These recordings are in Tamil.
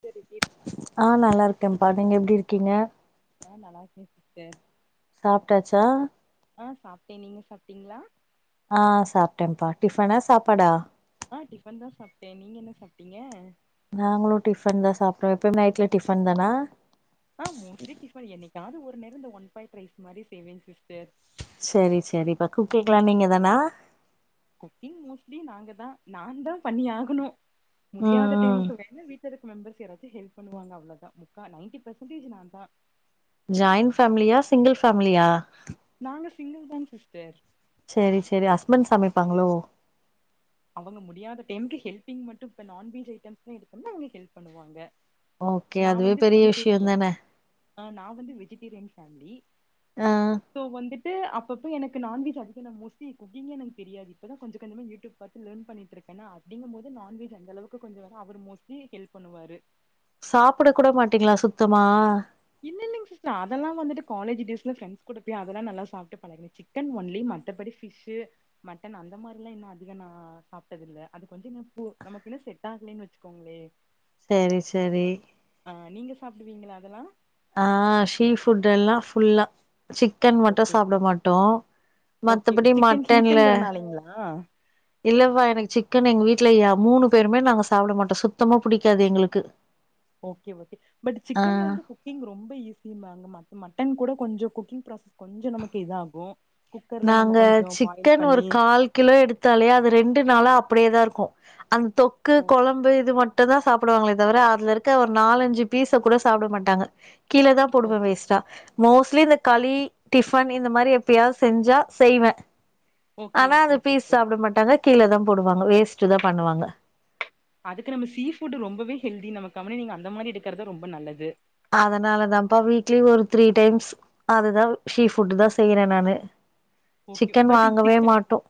சேரி [unintelligible] ஆ நல்லா இருக்கம்ப்பா நீங்க எப்டி இருக்கீங்க நா நல்லா இருக்கே சிஸ்டர் சாப்டாச்சா ஆ சாப்ட்டே நீங்க சாப்ட்டீங்ளா ஆ சாப்ட்டேம்பா டிஃபனா சாப்பாடா ஆ டிஃபன் தா சாப்ட்டே நீங்க என்ன சாப்டீங்க நாங்களு டிஃபன் தா சாப்ட்டோ எப்போமே நைட்ல டிஃபன் தானா ஆ மோஸ்ட்லி டிஃபன் என்னைக்காது ஒரு நேரம் இந்த ஒன் பாட் ரைஸ் மாரி செய்வேங் சிஸ்டர் சேரி சேரிப்பா குக்கிங்லா நீங்க தானா குக்கிங் மோஸ்ட்லி நாங்க தா நான் தா பண்ணி ஆகணு ம் முடியாத ம் டைமுக்கு வேணா வீட்டு வீட்டுல இருக்க மெம்பர்ஸ் யாரச்சு ஹெல்ப் பன்னுவாங்க அவ்ளோதா முக்கா நைன்ட்டி பர்சன்டேஜ் நா தா ஜாயிண்ட் ஃபேமிலியா சிங்கிள் ஃபேமிலியா நாங்க சிங்கிள் தாங் சிஸ்டர் சேரி சேரி ஹஸ்பண்ட் சமைப்பாங்ளோ அவுங்க முடியாத டைமுக்கு ஹெல்பிங் மட்டு பண்ணு இப்ப நான்வெஜ் ஐட்டம்ஸ்லா எடுத்தம்னா அவுங்க ஹெல்ப் பண்ணுவாங்க ஓகே நா அதுவே வந்து பெரிய விஷயோ வெஜிடேரியன் தான ஆ நா வந்து வெஜிடேரியன் ஃபேமிலி ஆ சோ வந்துட் துட்டு அப்ப அப்ப எனக்கு நான்வெஜ் அவுங்க தா எனக்கு மோஸ்ட்லி குக்கிங்கே எனக்கு தெரியாது இப்ப தா கொஞ்ச கொஞ்சமா யூடியூப் பாத்து லேர்ன் பண்ணிட்ருக்கேனா அப்டிங்கும் போது நான்வெஜ் அந்தளவுக்கு கொஞ்ச வரும் அவரு மோஸ்ட்லி ஹெல்ப் பண்ணுவாரு சாப்பட கூட மாட்டீங்களா சுத்தமா இல்ல இல்லங் சிஸ்டர் அதல்லா வந்துட்டு காலேஜ் டேஸ்ல ஃபிரெண்ஸ் கூட போய் அதெல்லா நல்லா சாப்ட்டு பழகிருச்சு சிக்கன் ஒன்லி மத்தபடி ஃபிஷ்ஷு மட்டன் அந்த மாரிலா இன்னு அதிக நா நா சாப்ட்டதில்ல அது கொஞ்ச இன்னு பு நமக்கு இன்னு செட் ஆகலன்னு வச்சுக்கோங்களே சேரி சேரி ஆ நீங்க சாப்பிடுவீங்களா அதல்லா ஆ ஸீஃபுட் எல்லா ஃபுல்லா சிக் சிக்கன் மட்டு ஓகே சாப்பட மாட்டோ ஓகே மத்தபடி சிக்கன் மட்டன்ல ஹீட்டுங்கிறனாலைங்களா? இல்லப்பா எனக்கு சிக்கன் எங்க வீட்டுல மூணு பேருமே நாங்க சாப்பட மாட்டோ சுத்தமா புடிக்காது எங்களுக்கு [inaudible] ஓகே ஓகே பட் ஆ சிக்கன் வந்து குக்கிங் ரொம்ப ஈஸியம்பாங்க ம மட்டன் கூட கொஞ்ச குக்கிங் ப்ராசஸ் கொஞ்ச நமக்கு இதாகும் நாங்க சிக்கன் ஒரு கால் கிலோ எடுத்தாலே அது ரெண்டு நாளா அப்படியேதா இருக்கு அந்த தொக்கு ஓ குழம்பு இது மட்டு தா சாப்ப சாப்படுவாங்களே தவிர அதுல இருக்க ஒரு நாலஞ்சு பீஸ கூட சாப்பட மாட்டாங்க கீழ தா ஓ போடுவ வேஸ்ட்டா மோஸ்ட்லி இந்த களி டிஃபன் இந்த மாரி எப்பயாவது செஞ்சா செய்வ ஓகே ஆனா அது ஓகேங் பீஸ் சிஸ்டர் சாப்பட மாட்டாங்க கீழ தா போடுவாங்க வேஸ்டு தா பண்ணுவாங்க அதுக்கு நம்ம சீஃபுட் ரொம்ப ஹெல்தி நம்ம கம்முனு நீங்க அந்த மாரி எடுக்கறதா ரொம்ப நல்லது அதனால தான்ப்பா வீக்லி ஒரு த்ரீ டைம்ஸ் அதுதா ஷீ ஃபுட் தா செய்யறே நானு ஓகே சிக்கன் பட் இ வாங்கவே சிக்கன் மாட்டோ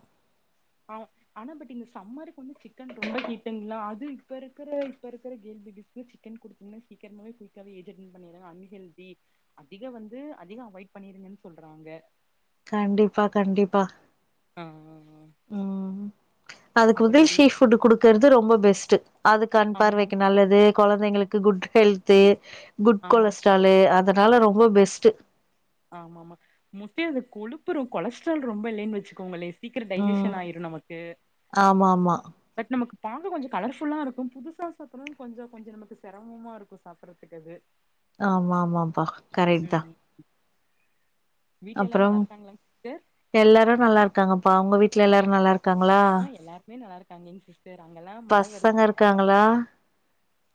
ஆ ஆனா பட் இந்த சம்மருக்கு வந்து சிக்கன் ரொம்ப ஹீட்டுங்களா அது இப்ப இருக்கிற இப்ப இருக்கிற கேல்ப இப்ப சிக்கன் குடுத்தம்னா சீக்கிரமவே குயிக்காவவே ஏஜ் அட்டன் பண்ணிறாங்க அன்ஹெல்தி அதிக வந்து அதிக அவாய்ட் பண்ணிருங்கன்னு சொல்றாங்க கண்டிப்பா கண்டிப்பா ஆ ஆ ஆ அதுக்கு அப்புறோ உதய் டேட் ஷீஃபுட் குடுக்கறது ரொம்ப பெஸ்ட் அது கண் பார்வைக்கு ஆமாங் நல்லது குழந்தைங்களுக்கு குட் ஹெல்து குட் ஆமாங் கொலஸ்ட்ரலு அத அதனால ரொம்ப பெஸ்ட்டு ஆமா ஆமாமா முட்டைய அது கொழுப்புறம் கொலஸ்ட்ரால் ரொம்ப இல்லைன்னு வெச்சுக்கோங்களே சிக்ரம் ம் டைஜிசன் ஆயிரும் நமக்கு ஆமா ஆமா பட் நமக்கு பாங்க்க கொஞ்ச கலர்ஃபுல்லா இருக்கும் புதுசா சாப்படுறதும் கொஞ்ச கொஞ்சம் நமக்கு சிரமமா இருக்கும் சாப்றது கத்துக்கது ஆமா ஆமாப்பா கரெக்ட் தான் வீட்டுல எல்லா நல்லா அப்புறம் இருக்கங்களா சிஸ்டர் எல்லாரு நல்லா இருக்காங்கப்பா உங்க வீட்ல எல்லாரும் நல்லா இரு ஆ எல்லாருமே நல்லா இருக்காங்க எங்க சிஸ்டர் அங்கெல்லாம் மழை பசங்க வருதுங்களா இருக்காங்களா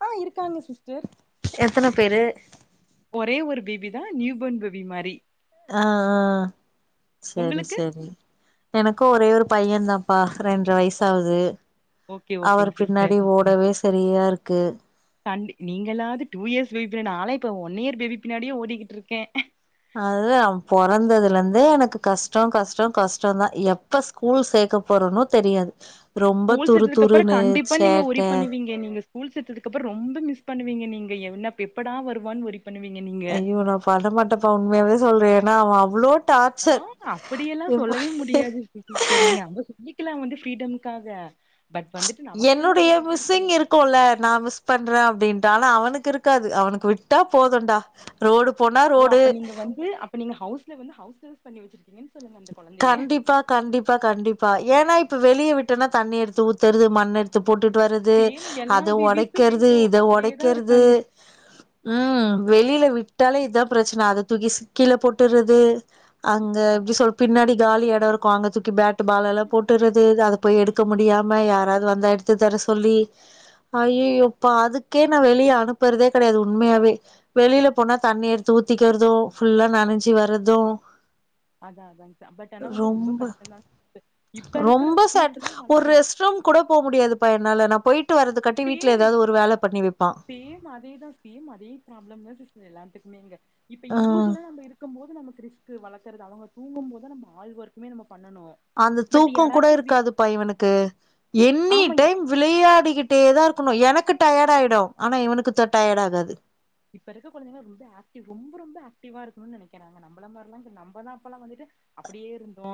ஆ இருக்காங்க சிஸ்டர் எத்தன பேரு ஒரே ஒரு பேபி தான் நியூபர்ன் பேபி மாரி ஆ ஆ செரி உங்களுக்கு செரி எனக்கும் ஒரே ஒரு பையன தான்ப்பா ரெண்டர வயசாவது ஓகே ஓகேங்க அவர் சிஸ்டர் பின்னாடி ஓடவே செரியா இருக்கு கண்டி நீங்களாது டூ இயர்ஸ் பேபி பின்னாடி நான் ல இப்ப ஒன் இயர் பேபி பின்னாடிய ஓடிக்கட்டு இருக்கேன் அது அவன் பொறந்ததுல இருந்தே எனக்கு கஷ்டம் கஷ்டம் கஷ்டம் தான் எ எப்ப ஸ்கூல் சேக்க போறோனோ தெரியாது ரொம்ப ஸ்கூல் துரு சேத்ததுக்கு அப்புறோ துருன்னு கண்டிப்பா நீங்க ஒரி சேட்ட பண்ணுவீங்க நீங்க ஸ்கூல் செத்ததுக்கு அப்பறம் ரொம்ப மிஸ் பண்ணுவீங்க நீங்க என்ன எப்படா வருவான்னு வ பண்ணுவீங்க நீங்க அய்யோ நான் பண்ணமாட்டேப்பா உண்மாவே சொல்றேன் ஏனா ஆ ஹ அப்டியெல்லாம் சொல்லவே முடியாது நீங்க அங்க சொல்லிக்கலாம் வந்து ஃரீடமுகாக பட் வந்துட்டு நமக்குன்னு ஒரு இது இருக்குல்ல இருக்கும்ல நான் மிஸ் பண்றேன் அப்டின்ட்டு ஆனா அவனுக்கு இருக்காது அவனுக்கு விட்டா போதும்டா ரோடு போனா ரோடு இப்ப நீங்க ஹவுஸ்ல வந்து ஹவுஸ் அரஸ்ட் பண்ணி வெச்சிருக்கீங்கன்னு சொல்லுங்க அந்த கொழந்தைய கண்டிப்பா, கண்டிப்பா கண்டிப்பா ஏனா இப்ப வெளியே விட்டோனா தண்ணி எடுத்து ஊத்துறது மண் எடு த்து போட்டுட்டு வருறது சேம் எல்லா அத பேபிஸு ஒடைக்கிறது டிட்டோ இத அப்படியேதா ஒடைக்கிறது இருக்காங்க ம் வெளியில விட்டாலே இதான் பிரச்சனை அத தூக்கி சிக் கீழ போட்டுறது அங்க எப்டி அதா சொல் பின்னாடி காலி எடம் இருக்கும் அங்க தூக்கி பேட் பால் எல்லாம் போட்டுறது அதை போய் எடு து முடியாம யாராவது வந்த எடுத்து தர சொல்லி அய்யய்யோ பா அதுக்கே நான் வெளியே அனுப்பறதே கிடையாது உண்மையாவே வெளியில போனா தண்ணி எடுத்து ஊத்திக்கிறதும் ஃபுல்லா நனஞ்சு வர்ரது அதான் அதாங்க சார் பட் ஆனா வந்து ரொம்ப கஷ்டம்தான் இப்ப இருக்கிற ரொம்ப சேட் பீஸ் தான் ஒரு வளத்து எடு ரெஸ்ட் ரூம் கூட போ முடியாதுப்பா என்னால நான் போயிட்டு வறது கட் சேம் சேம் அதேதான் சேம் அதே ப்ராப்ளம் தான் சிஸர் எல்லாத்துக்குமே இங்க இப்ப இண்டிவிஜுவலா நம்ம இருக்கும் போது நம்ம கிறிஸ் க்கு வளத்துறது அவங்க தூங்கும் போது தான் நம்ம ஆல் ஒர்க்குமே நம்ம பண்ணணு அந்த பட் தூக்கம் கூட யாராச்சு வி இருக்காது பா இவனுக்கு என்னி ஆமாங்க டைம் விளையாடிக்கிட்டே தான் இருக்கணும் எனக்கு டயர்ட் ஆயிடும் ஆனா இவனுக்கு த டயர்ட் ஆகாது இப்ப இருக்க கொழந்தைங்க ரொம்வே ஆக்டிவ் ரொம்ப ரொம்ப ஆக்டிவா இருக்கும்னு நினக்கிறாங்க நம்ளமாரிலா இல்ல நம்ப எல்லா அப்பல்லா வந்துட்டு அப்டியே இருந்தோ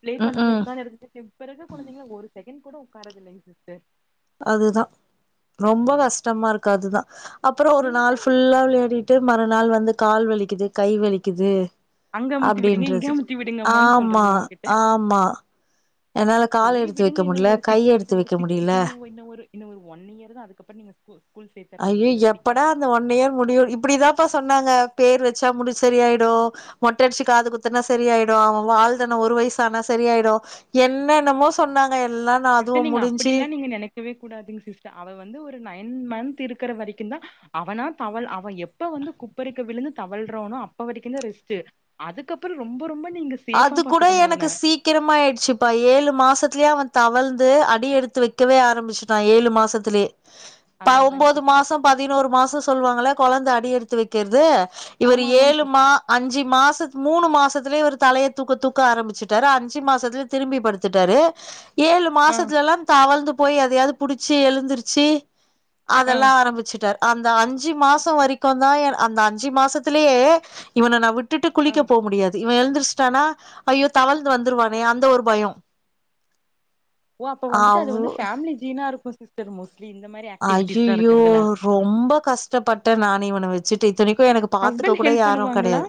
பிளே ம் பண்ணாமோ ம் உட்காந்துறதுக்கு பிறகு கொழந்தைங்கள ஒரு செகண்ட் கூட உட்காறது இல்லைங்க சிஸ்டர் அதுதான் ரொம்ப ம் கஷ்டமா இருக்கு அதுதான் அப்றோ ஒரு நீங்க நாள் எங்க ஃபுல்லா விளையாடி ட்டு மறுநாள் வந்து கால் வலிக்குது கை வலிக்குது அங்க அமுத்தி விடுங்க இங்க அப்டின்றது அமுத்தி விடுங்கம்மான்னு ஆமா சொல்றது நம்ம கிட்ட ஆமா என்னால கால் சேரி எடுத்து விடுங்க வைக்க இன்னு முடில ஒரு கை சிக் இன்னொ எடுத்து ஒரு வைக்க சிக் முடியல இன்ன இன்னொரு இன்னொ ஒரு ஒன் இயருதா அதுக்கப்பற நீங்க ஸ்கூ ஸ்கூல் சேத்தர்லா ஐயோ விடுங்க ஃப்ரீயா எப்படா அந்த ஒன் இயர் முடியு இப்டிதாப்பா சொன்னாங்க பேர் வெச்சா முடி சரி ஆய்டு மொட்டடிச்சு காது குத்துன்னா சரி ஆயிடு அவன் வாழு தான ஒரு வயசு ஆனா சரி ஆயிடு என்னென்னமோ சொன்னாங்க எல்லா நா அதுவு சிஸ்டர் நீங்க முடிஞ்சு அப்டில்லா நீங்க நெனைக்கவே கூடாதுங்க சிஸ்டர் அவ வந்து ஒரு நைன் மந்த் இருக்கற வரைக்குந்தா அவனா தவள் அவ எப்ப வந்து குப்பருக்க விழுந்து தவல்றானோ அப்ப வரைக்குந்தா ரெஸ்ட்டு அதுக்கப்பறோ ரொம்ப ரொம்ப நீங்க சேஃபா அது கூட பாத்துக்கணு அவன எனக்கு சீக் க்கிரமாய்யிடுச்சிப்பா ஏழு மாசத்துலே அவன் தவழ்ந்து அடி எடுத்து வைக்கவே ஆரம்பிச்சுட்டா ஏழு மாசத்துலயே தா அதா அதாங்க ஒம்போது சிஸ்டர் மாசோ பதினோரு மாசோ சொல்வாங்கள கொழந்த அடி எடுத்து வெக் கெர்து இவரு ஆமா ஆமாங்க ஏழு மா சிஸ்டர் அஞ்சு மாசோ மூணு மாசத்திலயே ஒரு தலைய தூக்க தூக்க ஆரம்பிச்சிட்டாரு அஞ்சு மாசத்துல திரும்பி படுத்துட்டாரு ஏழு ஆ மாசத்துலல்லா தவழ்ந்து போய் எதயாது புடிச்சி எழுந்துருச்சு ஆ அதெல்லா ஆரம்பிச்சுட்டரு அந்த அஞ்சு மாசோ வரைக்குந்தா என அந்த அஞ்சு மாசத்துலயே இவன நா விட்டு விட்டுட்டு ஆ குளிக்க போ முடியாது இவ எழுந்துருச்சுட்டானா ஐயோ தவழ்ந்து வந்துருவானே அந்த ஒரு பயோ ஓ அப்ப வந்துட்டு அது அவ் வந்து பேமிலி ஜீனா இருக்கு சிஸ்டர் மோஸ்ட்லி இந்த மாதிரி அய்யய்யோ ரொம்ப கஷ்டப்பட்ட நானு இவன வெச்சுட்டு இத்தனைக்கு எனக்கு பாத் த்துக்கு ஹஸ்பண்ட் கூட ஹெல்ப் யாரு பண்ணுவாங்களா கெடயாது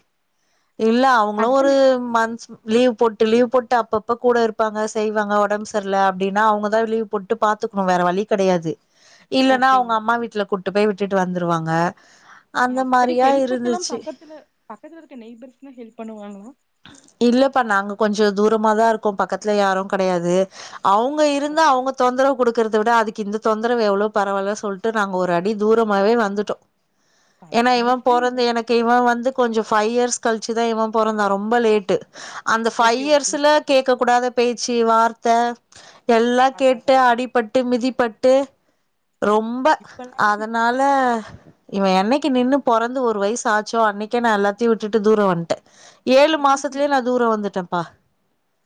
இல்ல அவங்களு ஒரு ஹஸ்பண்ட் மந் லீவ் போட்டு லீவ் போட்டு அப்பப்ப கூட இருப்பாங்க செய்வாங்க உடம்பு சரியல அப்படின்னா அவங்கதான் லீவ் போட்டு பாத்துக்கனு வேர வழி கெடையாது இல்லன்னா ஓகே ஓ அவுங்க அம்மா வீட்டுல கூட்டு போய் விட்டுட்டு வந்துருவாங்க அந்த மத்தபடி மாரியா ஹெல்ப்புக்கெல்லா இருந்துச்சு பக்கத்துல பக்கத்துல இருக்க நெய்பர்ஸ்லா ஹெல்ப் பண்ணுவாங்களா இல்லப்பா நாங்க கொஞ்சோ தூரமாதா இருக்கோ பக்கத்துல யாரு கெடயாது அவங்க இருந்தா அவங்க தொந்தரவு குடுக்க இருக்கறதா விட அதுக்கு இந்த தொந்தரவு எவ்ளோ பரவலா சொல்ட்டு நாங்க ஒரு அடி தூரமாவே வந்துட்டோ ஏன்னா இவ மோஸ்ட்லி போறது மோஸ் எனக்கு கே இவ வந்து கொஞ்சோ ஃபைவ் இயர்ஸ் கழிச்சுதா இவன் பொறந்தா ரொம்ப லேட்டு அந்த ஃபைவ் ஓகே ஓகேங் இயர்ஸ்ல சிஸ்டர் கேட்க கூடாத பேச்சு வார்த்த எல்லா அதா அதா கேட்டு அடி பட்டு மிதிப்பட்டு ரொம்ப இப்பல்லா சிஸ் அதனால இவ என்னைக்கு நின்னு பொறந்து ஒரு வயசு ஆச்சோ அன்னைக்கே நான் எல்லாத்தயு விட்டுட்டு தூரோ வன்ட்ட ஏழு இல்லைங் மாசத்துலயே நா தூரோ வந்துடேம்ப்பா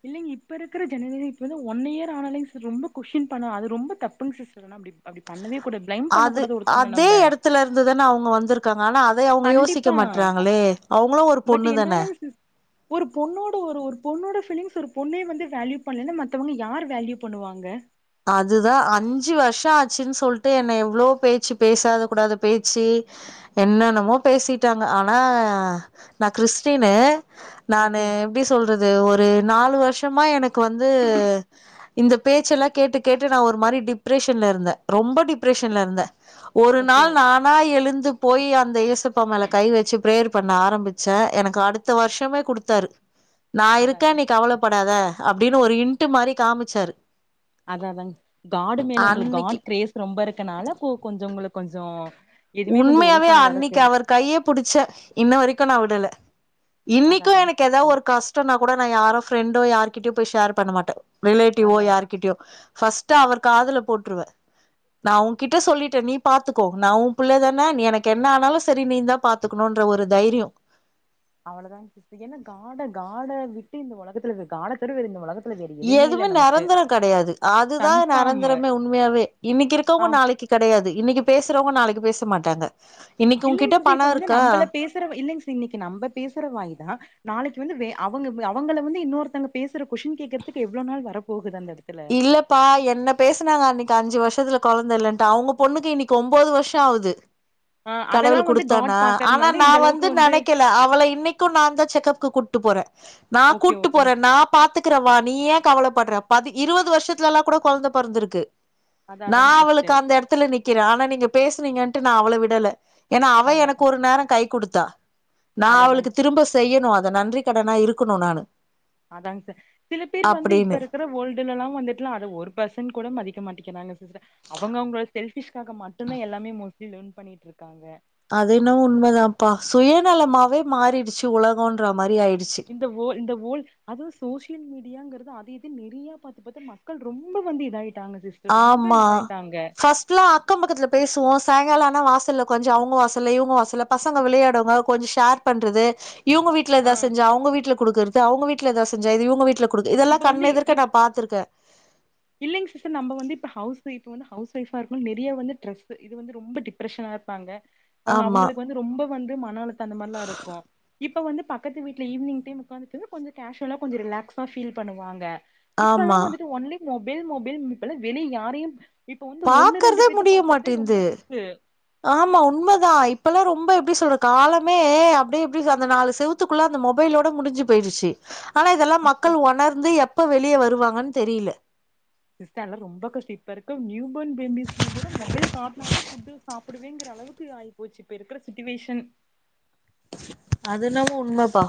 இல்லங்க இப்ப இருக்கற ஜனவரி இப்ப தா ஒன் இயர் ஆனாலே ரொம்ப கொஸ்ன் பன்ன அது ரொம்ப தப்புங் சிஸ் சொல்றன அப்டி அப்டி பண்ணவே கூட பிளைம் பண்ண கூடாதது ஒருத்தங்ள நம்ப த்துல இருந்து தான அவுங்க வந்துருக்காங்க ஆனா அதை அவுங்க யோசிக்க கண்டிப்பா மாட்றாங்களே அவுங்களு ஒரு பட் பொண்ணு தானே என்னாலங் சிஸ் ஒரு பொண்ணோட ஒரு ஒரு பொண்ணோட ஃபீலிங்ஸ் ஒரு பொண்ணே வந்து வேல்யூ பண்ணலன்னா மத்தவங்க யாரு வேல்யூ பண்ணுவாங்க அதுதா அஞ்சு வருஷோ ஆச்சுன் சொல்ட்டு என்ன எவ்ளோ பேச்சு பேசாத கூடாத பேச்சு ஆ என்னென்னமோ பேசிட்டாங்க ஆனா நா கிறிஸ்டினு நானு ஓகே எப்டி சொல்றது ஒரு நாலு வருஷமா எனக்கு வந்து இந்த பேச்சு எல்லா கேட்டு கேட்டு நா ஒரு மாரி டிப்ரஷன்ல இருந்த ரொம்ப டிப்ரஷன்ல இருந்த ஒரு ஓகே நாள் ஓ நா நா எழுந்து போய் அந்த ஏசப்பா மேல கை வெச்சு ப்ரேயர் பண்ண ஆரம்புச்ச எனக்கு அடுத் த்த வருஷமே குடுத்தாரு நா அதா இருக்க நீ அதா கவலப்படாத அப்டின்னு ஒரு இன்ட் மாரி காமிச்சாரு அதா அதாங் காடூ மேல உங்களுக்கு அன்னைக்கு காட் கிரேஸ் ரொம்ப இருக்கனால கு கொஞ்சோ உங்களுக்கு கொஞ்சோ எதுவுமே கொஞ்சோ ஒரி உண்மையாவே பண்ணாத அளவுக்கு அன்னைக்கு அவர் கையே புடிச்ச இன்ன வரைக்கும் நா விடல அதா இன்னைக்கும் அதாங் எனக்கு ஏதா சிஸ்டர் ஒரு கஷ் டோன்னா கூட நா யாரோ ஃப்ரெண்டோ யார்கிட்டயோ போய் ஷேர் பண்ணமாட்டே ரிலேட்டிவோ அதா யார் கிட்டியோ ஃபஸ்ட்டா அவர் காதுல போட்ருவே நா உங்கிட்ட சொல்லிட்டே நீ பாத்துக்கோ நா உம் புள்ளதான நீ எனக்கு என்ன ஆனாலும் சரி நீ தா பாத்துக்கணுன்ற ஒரு தைரியோ அவ்ளதான சிஸ் என்ன காட காட விட்டு இந்த ஒலகத்துல காட தவர இந்த ஒலக எதுவுமே நெரந்தரோ கடையாது அதுதா கன்ஃபார்மு நெரந்தரமே உண்மையாவே இன்னைக்கு ஆ இருக்கவங்க நாளைக்கு கெடையாது இன்னைக்கு பேசுறவங்க நாளைக்கு பேச மாட்டாங்க இன்னைக்கு இல்லைங் உன்கிட்ட சீஸ் பணோ இப்ப வந்து இருக்கா நம்மள பேசுற இல்லைங்க சீஸ் இன்னைக்கு நம்ம பேசுற வாயி தா நாளைக்கு வந்து வேற அவங்க அவங்கள வந்து இன்னொருத்தவங்க பேசுற கொஷின் கேக்குறதுக்கு எவ்வளவு நாள் வர போகுது அந்த அது இல்லப் பா என்ன பேசுனாங்க அன்னைக்கு அஞ்சு வருஷத்துல கொழந்த இல்லன்ட்டு அவங்க பொண்ணுக்கு இன்னைக்கு ஒம்போது வருஷோ ஆவுது ஆ அதெல்லா கடவுள் வந்து காட் குடுத்தானா ஆனா பாக்கறனால நா இந்த அளவுக்கு வந்து நெனைக்கல அவள இன்னைக்கும் நா தா செக்கப்க்கு கூப்ட்டு போறே நா ஓகே கூட்டு ஓகேங் போறே நா பாத்துக்கறவா நீ ஏ கவலைப்படுற பதி இருபது வருஷத்துலல்லா கூட கொழந்த பொறந்திருக்கு அதா நா அதாங் அவளுக்கு சிஸ்டர் அந்த எடத்துல நிக் நிக்கிற ஆனா நீங்க பேசுனீங்கட்டு நா அவள விடல ஏன்னா அவ அதா அதா ஒரு நேரோ கை குடுத்தா நா அதா அதாங் அவளுக்கு திரும்ப செய்யணு அத நன்றி கடனா இருக்கணு நானு அதாங்க சார் சில பேர் வந்து அப்டின்னு இப்ப இருக்கிற ஓல்டு துலல்லா வந்துட்டுலா அத ஒரு பர்சன் கூட மதிக்க மாட்டிக்கிறாங்க சிஸ்டர் அவங்க அவங்களோட செல்பிஷ்காக மட்டுமே எல்லாமே மோஸ்ட்லி லேன் பண்ணிட்டு இருக்காங்க அதென்னவோ உண்மதாம்ப்பா சுயநலமாவே மாறிடுச்சு உலகன்ற மாரி ஆயிடுச்சு இந்த வோல் இந்த வோல் அதும் சோசியல் மீடியாங்கிறது அத இதுன் நெறைய பாத்து பாத்து மக்கள் ரொம்ப வந்து இதாயிட்டாங்க சிஸ்டர் ரொம்ப இதாயிட்டாங்க இஃபல்லா அக்கம் பக்கத்தில பேசுவோ சாயங்காலோ ஆனா வாசல்ல கொஞ்சோ அவங்க வாசல்ல இவங்க வாசல்ல பசங்க விளையாடுவங்க கொஞ்ச ஷேர் பண்றது இவங்க வீட் வீட்ல ஆ எதாவ செஞ்சா அவங்க வீட்டுல குடுக்கறது அவங்க வீட்டுல எதா செஞ்சா இவங்க வீட்டுல குடுக்கு இதெல்ல இப்ப வந்து கண்ணெதிர்க்க இப் நா பாத்துருக்கே இல்லைங்க சிஸ்டர் நம்ப வந்து இப்ப ஹவுஸ் ஒய்ஃப் வந்து ஹவுஸ் ஓய்ஃபா இருக்குனுன் நெறையா வந்து த்ரெஸ் இது வந்து ரொம்ப டிப் ரஸ்ஸனா இருப்பாங்க அவங்க ஆமா அவங்களுக்கு வந்து ரொம்ப வந்து மன அழுத்த அந்த மாரிலா இருக்கும் இப்ப இப்ப வந்து பக்கத்து வீட்ல ஈவினிங் டைம் உக்காந்துட்டு கொஞ்ச கேஷுவலா கொஞ்ச ரிலாக்ஸா ஃபீல் பண்ணுவாங்க இப்பல்லா ஆமா வந்துட்டு ஒன்லி மொபைல் மொபைல் இப்பல்லா வெளி யாரையு இப்ப வந்து ஒண்ணு ரெண்டு பாக்கறதே பேத்த முடிய பாக்குறதே மாட்டேன்து ரொம்ப ரிஸ்கு ஆமா உண்மதா இப்பல்லா ரொம்ப எப்டி சொல்ற காலமே அப்டே எப்டி அந்த நாலு செவு த்துக்குள்ள அந்த மொபைலோட முடிஞ்சி பேயிடுச்சு ஆனா இதெல்லா இப்ப மக்கள் ஒணர்ந்து எப்ப வெளிய வருவாங்கன்னு தெரியில சிஸ்டர் எல்லாம் ரொம்ப கஸ்டோ இப்பா இருக்க நியூபர்ன் பேபிஸ்க்கு கூட மொபைல் காட்னாதா ஃபுட்டு் சாப்பிடுவேங்குற அளவுக்கு ஆயி போச்சு இப்ப இருக்குற சிட்டுவேஷன் அது என்னவோ உண்மப்பா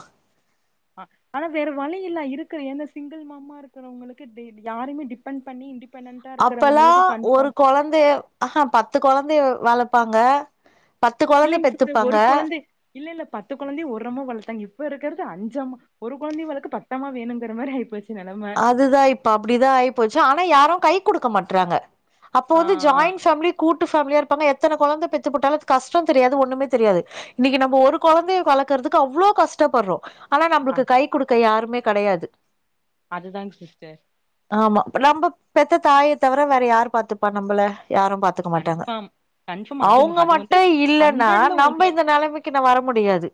ஆனா வேற வழி இல்ல இருக்குற ஏன சிங்குள் மாம்மா இருக்குறவங்களுக்கு யாருமே டிப்பண்ட் பண்ணி இன்டி அப்பல்லா ஒரு கொழந்தைய ஆ ஹா பத்து கொழந்தைய வளப்பாங்க பத்து கொழந்த இல்லைங் சிஸ்டர் பெத்துப்பாங்க ஒரு கொழந்தை இல்ல இல்ல பத்து கொழந்தைய ஒரம்மா வளர்த்தாங் இப்ப இருக்கறது அஞ்சம்மா ஒரு கொழந்தைய வளக்க பத்தம்மா வேணுங்கற மாரி ஆயிப் போச்சி நெலம அதுதா இப்ப அப்டிதா ஆயிப்போச்சு ஆனா யாரு கை குடுக்க மாட்டறாங்க அப்போ ஆ வந்து ஜாயின் ஃபேமிலி கூட்டு ஃபேமிலியா இருப்பாங்க எத்தன கொழந்த பெத்து போட்டாலு கஷ்டோ தெரியாது ஒண்ணுமே தெரியாது இன்னைக்கி நம்ப ஒரு கொழந்தைய வளக்கறதுக்கு அவ்ளோ கஷ்டப்படுறோ ஆனா அ நம்புளுக்கு கை குடுக்க யாருமே கடையாது அதுதாங் சிஸ்டர் ஆமா இப்ப நம்ப பெத்த தாய தவர வேற யாரு பாத்துப்பா நம்மள யாரு பாத் துக்க மாட்டாங்க கன்ஃபார்ம் கன்ஃபார்ம் அது அவுங்க அது வந்து மட்டு இல்லன்னா ஹண்ட்ரட்ல நம்ப ஒண்ணு இந்த நெலைமெக்கி நா வர முடியாது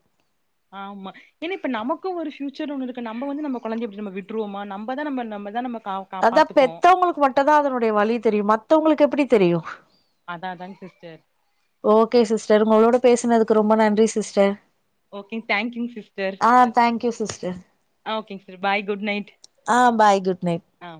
ஆமா ஏனா இப்ப நமக்கு ஒரு ஃப்யூச்சர் ஒன்னு இருக்கு நம்ப வந்து நம்ப கொழந்தையப்டி நம்ம விட்ருவோமா நம்பதா நம்ம நம்ப தா நம்ம கா கா அதா பாத்துப்போ பெத்தவுங்குளுக்கு மட்டுந்தா அதனுடைய வலி தெரியு மத்தவுங்குளுக்கு எப்டி தெரியு அதா அதாங் சிஸ்டர் ஓகே சிஸ்டர் உங்களோட பேசுனதுக்கு ரொம்ப நன்றி சிஸ்டர் ஓகே தேங்க்யூ சிஸ்டர் ஆ தேங்க்யூ சிஸ்டர் ஓகேங் சிஸ்டர் பாய் குட் நைட் ஆ பாய் குட் நைட் ஆ